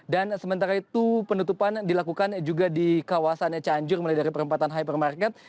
dan sementara itu penutupan dilakukan juga di kawasan cianjur melalui perempatan hypermarket